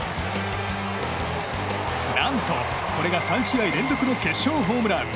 何とこれが３試合連続の決勝ホームラン。